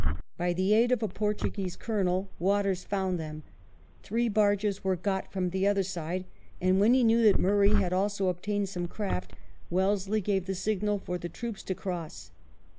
By the aid of a Portuguese Colonel Waters found them ; three barges were got from the other side, and when he knew that Murray had also obtained some craft, Wellesley gave the signal for the troops to cross.